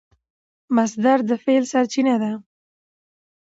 مصدر د فعل سرچینه ده.